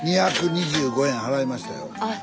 ２２５円払いましたよ。